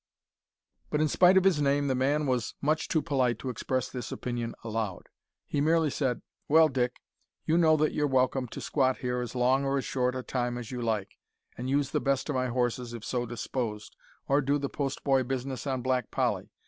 But in spite of his name the man was much too polite to express this opinion aloud. He merely said, "Well, Dick, you know that you're welcome to squat here as long or as short a time as you like, an' use the best o' my horses, if so disposed, or do the postboy business on Black Polly.